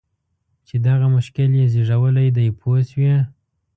چې دغه مشکل یې زېږولی دی پوه شوې!.